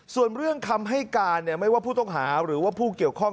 ส่วนเรื่องคำให้การไม่ว่าผู้ต้องหาหรือว่าผู้เกี่ยวข้อง